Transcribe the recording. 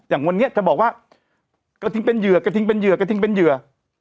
อย่างวันนี้เธอบอกว่ากระทิงเป็นเหยื่อกระทิงเป็นเหยื่อกระทิงเป็นเหยื่อ